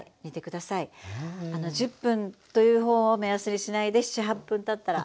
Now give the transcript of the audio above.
１０分というほうを目安にしないで７８分たったら。